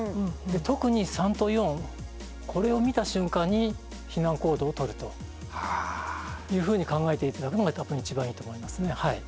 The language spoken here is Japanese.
特に３と４これを見た瞬間に避難行動をとるというふうに考えて頂くのが一番いいと思いますね。